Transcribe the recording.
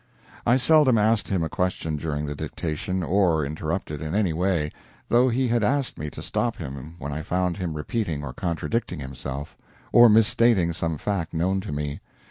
I seldom asked him a question during the dictation or interrupted in any way, though he had asked me to stop him when I found him repeating or contradicting himself, or misstating some fact known to me.